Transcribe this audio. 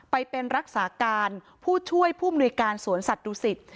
ไปเป็นรักษาการผู้ช่วยผู้มนุยการสวนสัตวศิษฐ